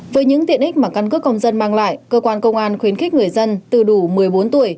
với những tiện ích mà căn cước công dân mang lại cơ quan công an khuyến khích người dân từ đủ một mươi bốn tuổi